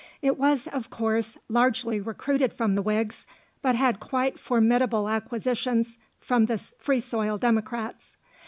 It was, of course, largely recruited from the Whigs, but had quite formidable acquisitions from the Free soil Democrats.